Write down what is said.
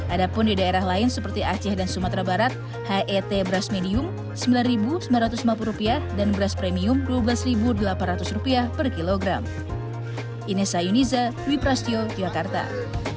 ada pun di daerah lain seperti aceh dan sumatera barat het beras medium rp sembilan sembilan ratus lima puluh dan beras premium rp dua belas delapan ratus per kilogram